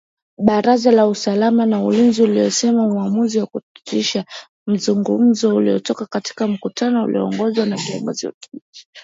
Baraza la usalama na ulinzi limesema uamuzi kusitisha mzungumzo ulitolewa katika mkutano ulioongozwa na kiongozi wa kijeshi.